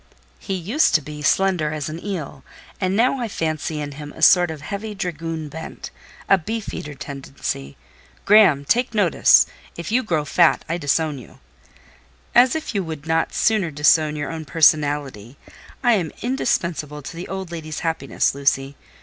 He used to be slender as an eel, and now I fancy in him a sort of heavy dragoon bent—a beef eater tendency. Graham, take notice! If you grow fat I disown you." "As if you could not sooner disown your own personality! I am indispensable to the old lady's happiness, Lucy.